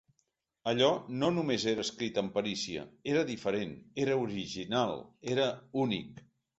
Allò no només era escrit amb perícia: era diferent, era original, era únic.